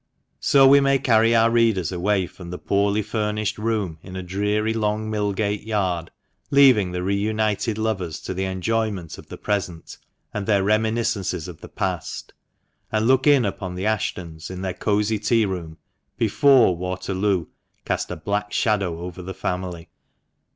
So we may carry our readers away from the poorly furnished room in a dreary Long Millgate yard, leaving the re united lovers to the enjoyment of the present and their reminiscences of the past, and look in upon the Ashtons in their cosy tea room before Waterloo cast a black shadow over the family.